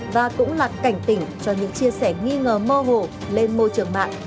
và cũng là cảnh tỉnh cho những chia sẻ nghi ngờ mơ hồ lên môi trường mạng